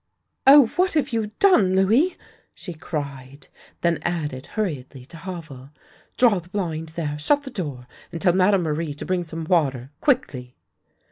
" Oh, what have you done, Louis! " she cried, then added hurriedly to Havel, " Draw the blind there, shut the door, and tell Madame Marie to bring some water quickly!